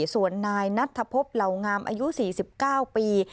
ส่วนนายนัทพบเหล่างามอายุ๔๙ปี